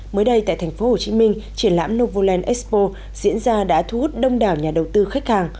mới đây tại tp hcm triển lãm novoland expo diễn ra đã thu hút đông đảo nhà đầu tư khách hàng